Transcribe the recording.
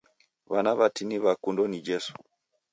W'ana w'atini w'akundo ni Jesu